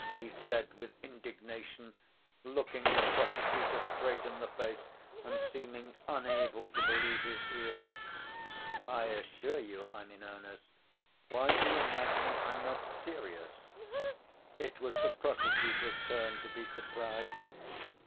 he said, with indignation, looking the prosecutor straight in the face, and seeming unable to believe his ears. "I assure you I'm in earnest.... Why do you imagine I'm not serious?" It was the prosecutor's turn to be surprised.